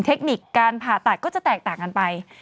เทคนิคการผ่าตัดก็จะแตกต่างกันไป